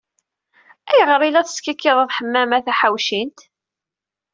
Ayɣer ay la teskikkiḍeḍ Ḥemmama Taḥawcint?